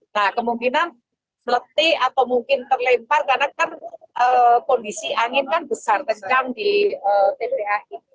nah kemungkinan letih atau mungkin terlempar karena kan kondisi angin kan besar kencang di tpa itu